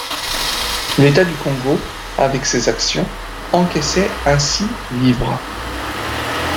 L'État du Congo, avec ses actions, encaissait ainsi livres.